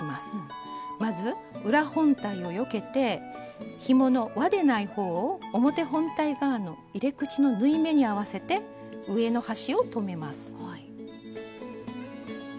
まず裏本体をよけてひものわでない方を表本体側の入れ口の縫い目に合わせて上の端を留めます。